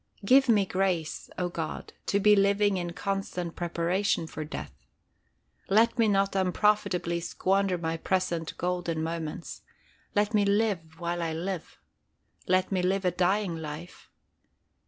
Give me grace, O God, to be living in constant preparation for death. Let me not unprofitably squander my present golden moments. Let me live while I live let me live a dying life.